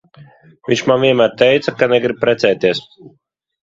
Viņš man vienmēr teica, ka negrib precēties.